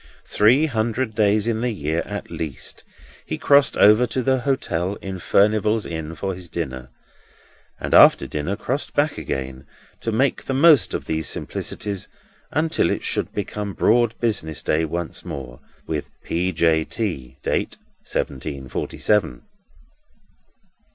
Three hundred days in the year, at least, he crossed over to the hotel in Furnival's Inn for his dinner, and after dinner crossed back again, to make the most of these simplicities until it should become broad business day once more, with P. J. T., date seventeen forty seven.